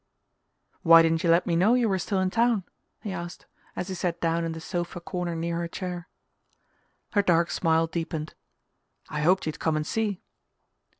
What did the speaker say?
"Why didn't you let me know you were still in town?" he asked, as he sat down in the sofa corner near her chair. Her dark smile deepened. "I hoped you'd come and see."